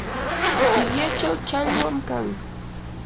sikyachaw challwam kan.